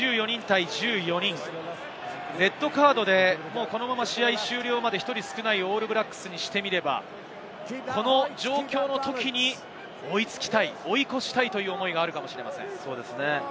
レッドカードでこのまま試合終了まで１人少ないオールブラックスにしてみれば、この状況のときに追いつきたい、追い越したいという思いがあるかもしれません。